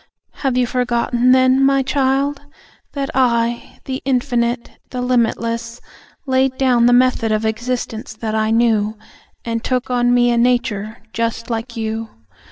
Have you forgotten then, My child, that I, The Infinite, the Limitless, laid down The method of existence that I knew, And took on Me a nature just like you?